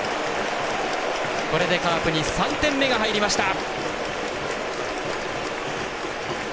これでカープに３点目が入りました。